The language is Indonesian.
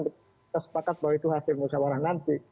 berkesepakat bahwa itu hasil musawarah nanti